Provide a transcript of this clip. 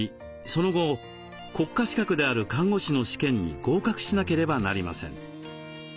その後国家資格である看護師の試験に合格しなければなりません。